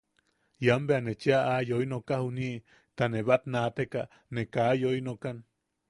Ian bea ne cheʼa aa yoi noka juniʼi ta ne batnaateka ne kaa yoi nokan.